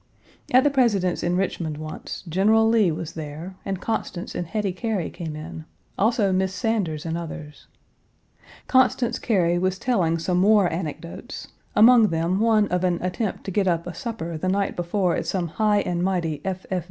At the President's in Richmond once, General Lee was there, and Constance and Hetty Cary came in; also Miss Sanders and others. Constance Cary1 was telling some war anecdotes, among them, one of an attempt to get up a supper the night before at some high and mighty F.